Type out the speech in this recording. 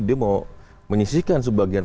dia mau menyisihkan sebagian